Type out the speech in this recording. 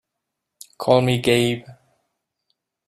Call me Gabe.